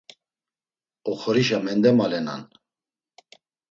Oxorişa mendamalenan.